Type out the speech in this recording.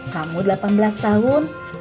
kamu delapan belas tahun